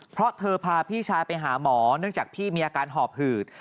เพราะเธอพาพี่ชายไปหาหมอเนื่องจากพี่มีอาการหอบหืด